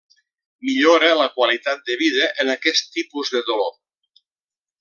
Millora la qualitat de vida en aquests tipus de dolor.